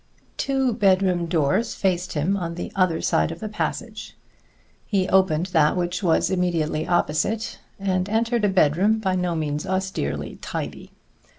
Two bedroom doors faced him on the other side of the passage. He opened that which was immediately opposite, and entered a bedroom by no means austerely tidy.